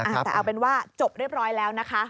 แต่เอาเป็นว่าจบเรียบร้อยแล้วนะคะ